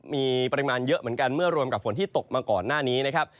มีปริมาณเยอะเหมือนกันเมื่อรวมกับฝนที่ตกมาก่อนหน้านี้นะครับ